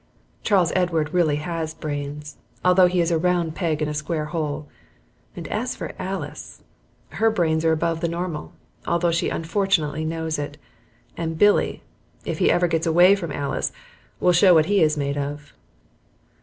Charles Edward really has brains, although he is a round peg in a square hole, and as for Alice, her brains are above the normal, although she unfortunately knows it, and Billy, if he ever gets away from Alice, will show what he is made of.